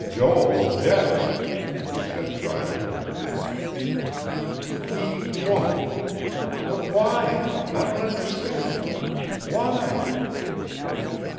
"Joel objects," he said drily. "He won't. But why? I don't understand. Why?"